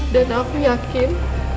dan aku yakin